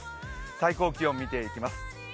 最高気温を見ていきます。